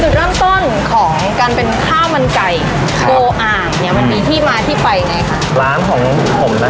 สุดเริ่มต้นของการเป็นข้าวมันไก่โกอ่างมันมีที่มาที่ไปยังไงครับ